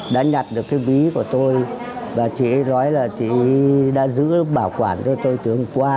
đã nhặt được cái ví của tôi và chị ấy nói là chị ấy đã giữ bảo quản cho tôi từ hôm qua